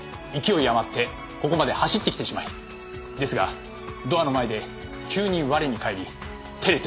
勢い余ってここまで走ってきてしまいですがドアの前で急に我に返り照れていました。